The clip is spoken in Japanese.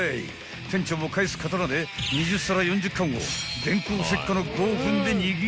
［店長も返す刀で２０皿４０貫を電光石火の］